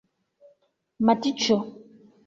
matĉo